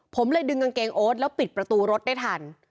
ผมเลยดึงกางเกงโอ๊ตแล้วปิดประตูรถได้ทัน